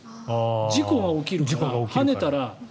事故が起きるから、はねたら。